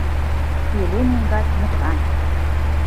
Пеле меҥгат мужыран.